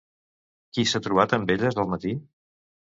Qui s'ha trobat amb elles al matí?